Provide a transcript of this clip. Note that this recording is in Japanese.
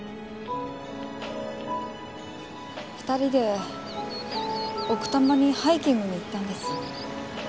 ２人で奥多摩にハイキングに行ったんです。